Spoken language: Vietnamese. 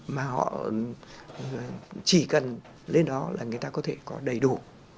mà họ chỉ cần lên đó là người ta có thể có đầy đủ